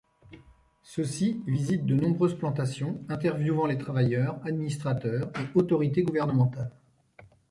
Ceux-ci visitent de nombreuses plantations, interviewant les travailleurs, administrateurs et autorités gouvernementales.